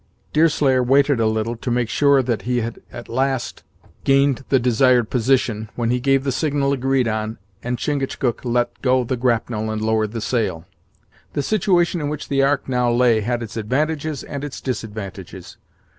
Deerslayer waited a little to make certain that he had at last gained the desired position, when he gave the signal agreed on, and Chingachgook let go the grapnel and lowered the sail. The situation in which the ark now lay had its advantages and its disadvantages.